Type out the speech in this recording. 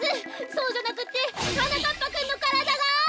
そうじゃなくって！はなかっぱくんのからだが！